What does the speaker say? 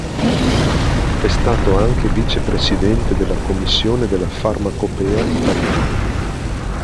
È stato anche vicepresidente della Commissione della Farmacopea italiana.